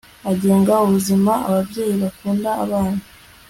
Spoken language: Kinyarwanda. agenga ubuzima Ababyeyi bakunda abana